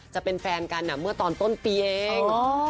จะเป็นแฟนกันเมื่อตอนต้นปีเอง